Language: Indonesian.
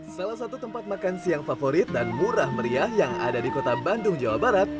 salah satu tempat makan siang favorit dan murah meriah yang ada di kota bandung jawa barat